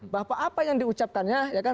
bahwa apa yang diucapkannya